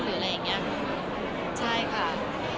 หรืออะไรอย่างนี้ใช่ค่ะ